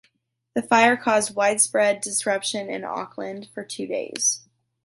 The fire caused widespread disruption in Auckland for two days.